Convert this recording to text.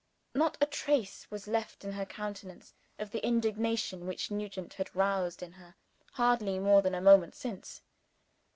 Not a trace was left in her countenance of the indignation which Nugent had roused in her, hardly more than a moment since.